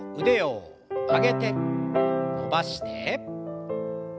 腕を曲げて伸ばして。